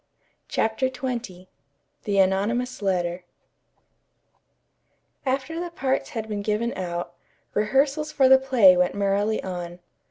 CHAPTER XX THE ANONYMOUS LETTER After the parts had been given out, rehearsals for the play went merrily on.